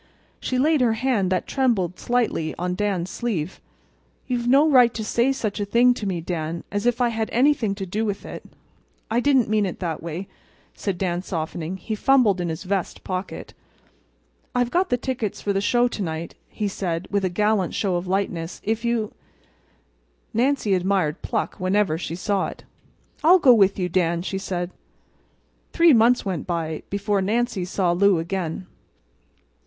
She laid her hand that trembled slightly on Dan's sleeve. "You've no right to say such a thing to me, Dan—as if I had anything to do with it!" "I didn't mean it that way," said Dan, softening. He fumbled in his vest pocket. "I've got the tickets for the show to night," he said, with a gallant show of lightness. "If you—" Nancy admired pluck whenever she saw it. "I'll go with you, Dan," she said. Three months went by before Nancy saw Lou again.